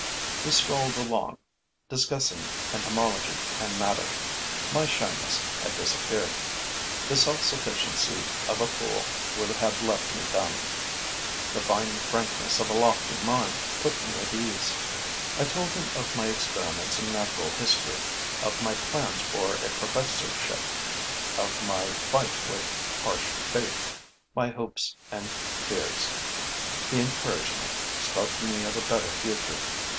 We strolled along, discussing entomology and madder. My shyness had disappeared. The self sufficiency of a fool would have left me dumb; the fine frankness of a lofty mind put me at my ease. I told him of my experiments in natural history, of my plans for a professorship, of my fight with harsh fate, my hopes and fears. He encouraged me, spoke to me of a better future.